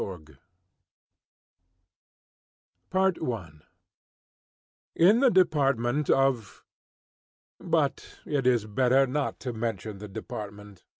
GOGOL In the department of , but it is better not to mention the department.